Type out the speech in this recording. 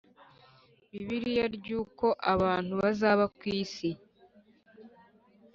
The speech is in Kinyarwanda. Bibiliya ry uko abantu bazaba ku isi